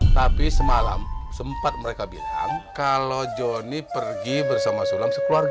tapi semalam sempat mereka bilang kalau johnny pergi bersama sulam sekeluarga